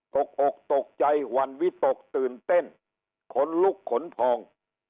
อกตกใจวันวิตกตื่นเต้นขนลุกขนพอง